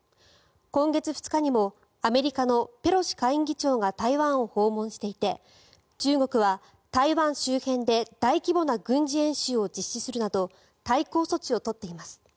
今月２日にもアメリカのペロシ下院議長が台湾を訪問していて中国は台湾周辺で大規模な軍事演習を実施するなど対抗措置を取っています。